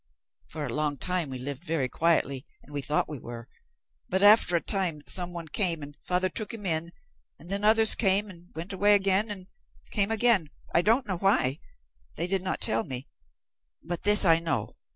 "For a long time we lived very quietly, and we thought we were. But after a time some one came, and father took him in, and then others came, and went away again, and came again I don't know why they did not tell me, but this I know.